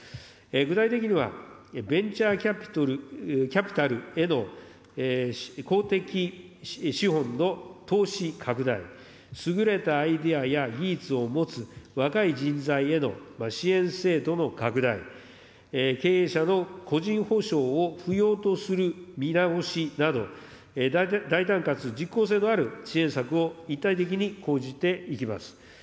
具体的には、ベンチャーキャピタルへの公的資本の投資拡大、優れたアイデアや技術を持つ若い人材への支援制度の拡大、経営者の個人補償を不要とする見直しなど、大胆かつ実効性のある支援策を立体的に講じていきます。